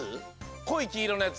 こいきいろのやつ。